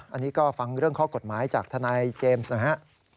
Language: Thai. อันนี้ก็ฟังเรื่องข้อกฎหมายจากทนายเจมส์หน่อยฮะ